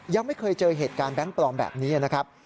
ยังไม่เคยเจอเหตุการณ์แบงค์ปลอมแบบนี้นะครับ